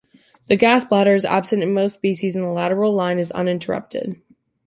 The gas bladder is absent in most species, and the lateral line is uninterrupted.